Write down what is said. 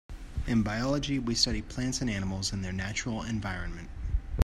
In biology we study plants and animals in their natural environment.